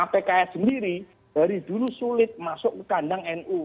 pks sendiri dari dulu sulit masuk ke kandang nu